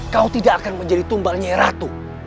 kau tidak akan menjadi tumbalnya ratu